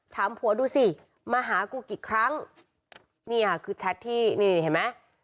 ถามผัวดูสิมาหากูกี่ครั้งนี่ค่ะคือแชทที่นี่เห็นไหม